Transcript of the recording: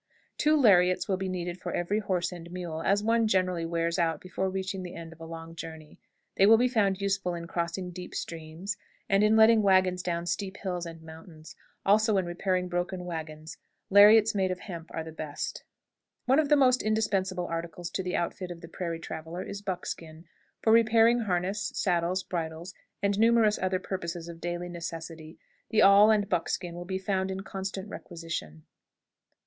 Two lariats will be needed for every horse and mule, as one generally wears out before reaching the end of a long journey. They will be found useful in crossing deep streams, and in letting wagons down steep hills and mountains; also in repairing broken wagons. Lariats made of hemp are the best. One of the most indispensable articles to the outfit of the prairie traveler is buckskin. For repairing harness, saddles, bridles, and numerous other purposes of daily necessity, the awl and buckskin will be found in constant requisition.